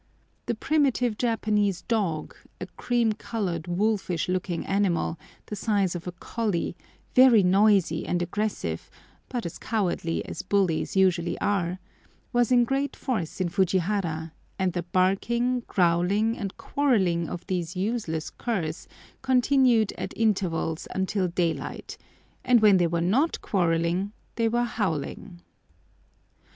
The primitive Japanese dog—a cream coloured wolfish looking animal, the size of a collie, very noisy and aggressive, but as cowardly as bullies usually are—was in great force in Fujihara, and the barking, growling, and quarrelling of these useless curs continued at intervals until daylight; and when they were not quarrelling, they were howling.